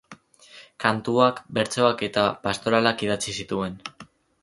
Kantuak, bertsoak eta pastoralak idatzi zituen.